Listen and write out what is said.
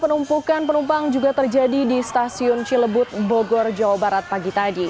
penumpukan penumpang juga terjadi di stasiun cilebut bogor jawa barat pagi tadi